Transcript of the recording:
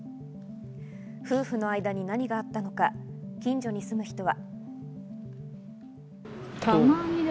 夫婦の間に何があったのか、近所に住む人は。